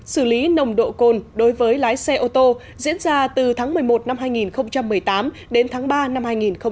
xử lý nồng độ cồn đối với lái xe ô tô diễn ra từ tháng một mươi một năm hai nghìn một mươi tám đến tháng ba năm hai nghìn một mươi chín